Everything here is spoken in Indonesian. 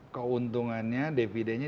keuntungannya dvd nya